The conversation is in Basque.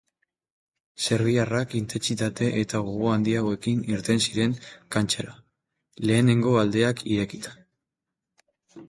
Serbiarrak intentsitate eta gogo handiagoekin irten ziren kantxara, lehenengo aldeak irekita.